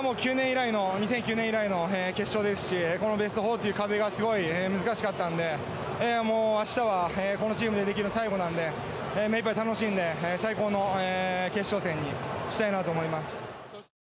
２００９年以来の決勝ですしこのベスト４という壁がすごく難しかったので明日はこのチームでできるの最後なんで目いっぱい楽しんで最高の決勝戦にしたいなと思います。